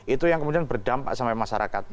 itu yang kemudian berdampak sama masyarakat